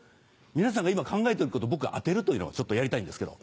皆さんが今考えてることを僕が当てるというのをちょっとやりたいんですけど。